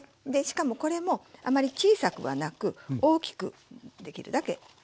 しかもこれもあまり小さくはなく大きくできるだけ。